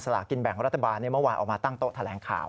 ลากินแบ่งรัฐบาลเมื่อวานออกมาตั้งโต๊ะแถลงข่าว